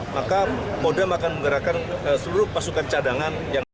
maka kodam akan menggerakkan seluruh pasukan cadangan